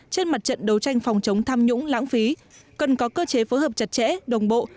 trên mặt trận đấu tranh phòng chống tham nhũng lãng phí cần có cơ chế phối hợp chặt chẽ đồng bộ